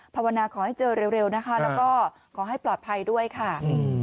ภาวนาขอให้เจอเร็วนะคะแล้วก็ขอให้ปลอดภัยด้วยค่ะ